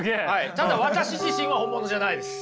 ただ私自身は本物じゃないです。